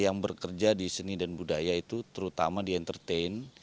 yang bekerja di seni dan budaya itu terutama di entertain